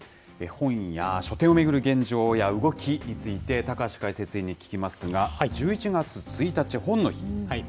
本や書店を巡る現状や動きについて、高橋解説委員に聞きますが、１１月１日、本の日。